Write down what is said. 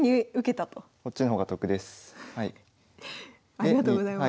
ありがとうございます。